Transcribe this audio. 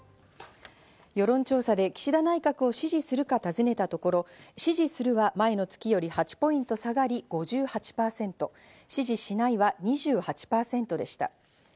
世論調査で岸田内閣を支持するか尋ねたところ、支持するは前の月より８ポイント下がり５８％、支持しないは２８％でした。